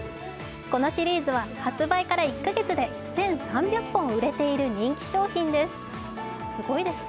このシリーズは発売から１か月で１３００本売れている人気商品です。